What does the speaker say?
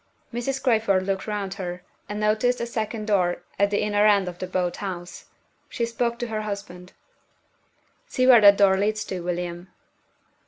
Mrs. Crayford looked round her, and noticed a second door at the inner end of the boat house. She spoke to her husband. "See where that door leads to, William."